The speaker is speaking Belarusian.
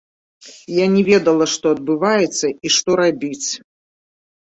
Я не ведала, што адбываецца і што рабіць.